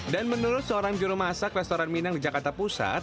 dan menurut seorang juru masak restoran minang di jakarta pusat